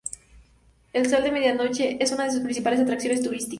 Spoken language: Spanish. El sol de medianoche es una de sus principales atracciones turísticas.